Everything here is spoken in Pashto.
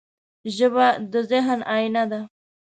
ژبه د ذهن آینه ده